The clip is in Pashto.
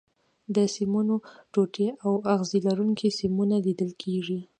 د سیمونو ټوټې او اغزي لرونکي سیمونه لیدل کېږي.